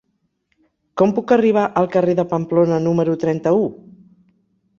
Com puc arribar al carrer de Pamplona número trenta-u?